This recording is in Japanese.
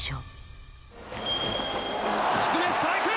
低めストライク！